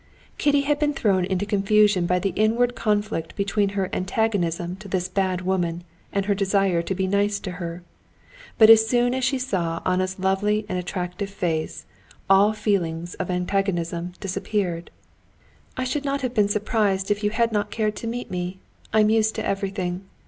Kitty had been thrown into confusion by the inward conflict between her antagonism to this bad woman and her desire to be nice to her. But as soon as she saw Anna's lovely and attractive face, all feeling of antagonism disappeared. "I should not have been surprised if you had not cared to meet me. I'm used to everything.